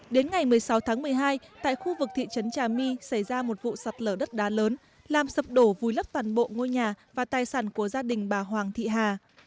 đến ngày một mươi sáu tháng một mươi hai tại khu vực thị trấn trà my xảy ra một vụ sạt lở đất đá lớn làm sập đổ vùi lấp toàn bộ ngôi nhà và tài sản của gia đình bà hoàng thị hà